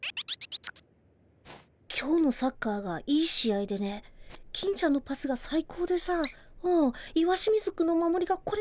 今日のサッカーがいい試合でね金ちゃんのパスが最高でさうん石清水君の守りがこれまた見事でね